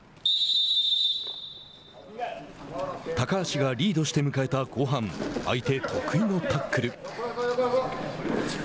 高橋がリードして迎えた後半相手得意のタックル。